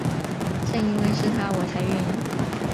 正因为是他我才愿意